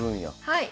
はい。